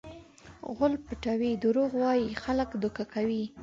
غول پټوي؛ دروغ وایي؛ خلک دوکه کوي.